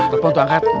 mas kepon tuh angkat